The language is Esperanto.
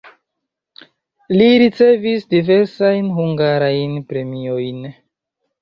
Li ricevis diversajn hungarajn premiojn.